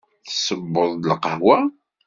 Tesseweḍ lqahwa?